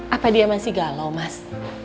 apa dia masih galau mas